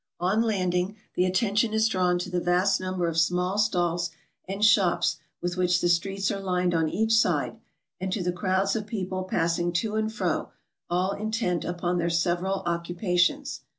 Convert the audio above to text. On landing, the attention is drawn to the vast number of small stalls and shops with which the streets are lined on each side, and to the crowds of people passing to and fro, all intent upon their several occupations.